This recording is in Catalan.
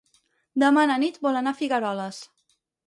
Demà na Nit vol anar a Figueroles.